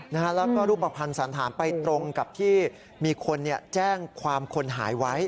นี่แล้วก็รูปผัดสรรถามไปตรงกับที่มีคนแจ้งความคนหายไว้